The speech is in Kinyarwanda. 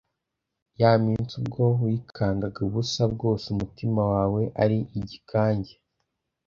ya minsi ubwo wikangaga ubusa bwose umutima wawe ari igikange